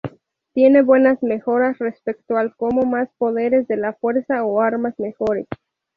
Tiene buenas mejoras respecto al como más poderes de la fuerza o armas mejores.